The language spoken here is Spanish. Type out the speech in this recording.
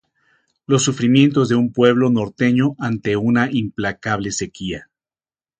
Los sufrimientos de un pueblo norteño ante una implacable sequía.